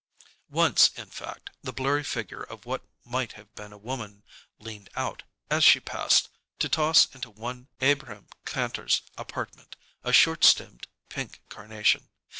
Once, in fact, the blurry figure of what might have been a woman leaned out, as she passed, to toss into one Abrahm Kantor's apartment a short stemmed pink carnation.